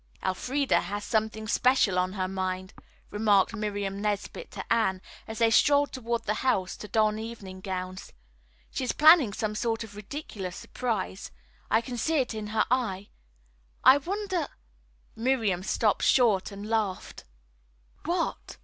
"Elfreda has something special on her mind," remarked Miriam Nesbit to Anne, as they strolled toward the house to don evening gowns. "She's planning some sort of ridiculous surprise. I can see it in her eye. I wonder " Miriam stopped short and laughed. "What?"